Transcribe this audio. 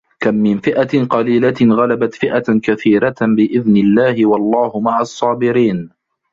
كم من فئة قليلة غلبت فئة كثيرة بإذن الله والله مع الصابرين.